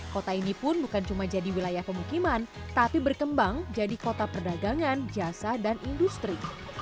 kota ini pun bukan cuma jadi wilayah pemukiman tapi berkembang jadi kota perdagangan jasa dan industri